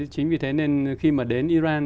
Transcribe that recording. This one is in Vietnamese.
chính vì thế nên khi mà đến iran